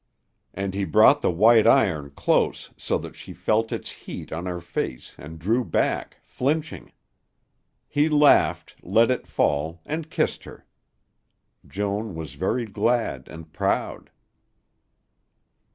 And he brought the white iron close so that she felt its heat on her face and drew back, flinching. He laughed, let it fall, and kissed her. Joan was very glad and proud.